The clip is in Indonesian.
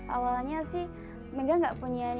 awalnya sih mega gak punya